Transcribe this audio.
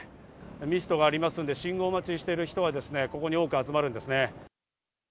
ミストがありますので、信号待ちしている人がここによく集まるんです。